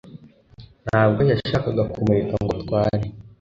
ntabwo yashakaga kumureka ngo atware